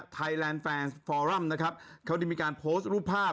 แลนด์แฟนฟอรัมนะครับเขาได้มีการโพสต์รูปภาพ